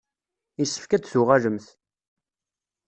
Yessefk ad d-tuɣalemt.